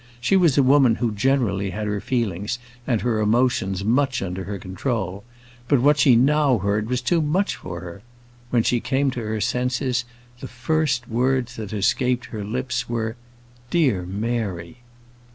She was a woman who generally had her feelings and her emotions much under her own control; but what she now heard was too much for her. When she came to her senses, the first words that escaped her lips were, "Dear Mary!"